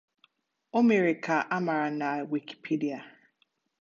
O mere ka a mara na Wikipedia